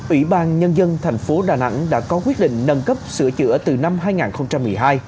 ủy ban nhân dân thành phố đà nẵng đã có quyết định nâng cấp sửa chữa từ năm hai nghìn một mươi hai